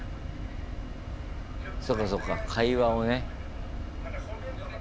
そうかそうか会話をね。